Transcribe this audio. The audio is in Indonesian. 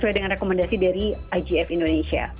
sesuai dengan rekomendasi dari igf indonesia